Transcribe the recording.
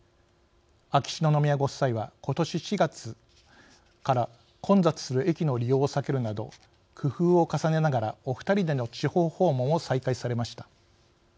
秋篠宮ご夫妻は今年４月から混雑する駅の利用を避けるなど工夫を重ねながらお二人での地方訪問を再開されました。